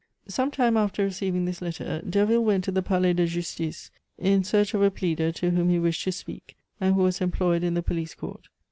Some time after receiving this letter, Derville went to the Palais de Justice in search of a pleader to whom he wished to speak, and who was employed in the Police Court.